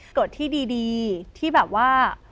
เกิดที่ดีที่แบบว่า